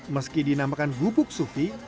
meski dinamakan gubuk sufi